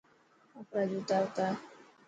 آپرا جوتا اوتار.